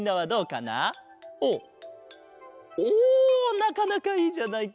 なかなかいいじゃないか。